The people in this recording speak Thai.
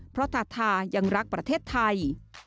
เพราะทาทายังรักประเทศไทย